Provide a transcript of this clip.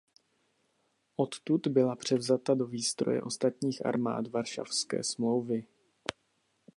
Odtud byla převzata do výstroje ostatních armád Varšavské smlouvy.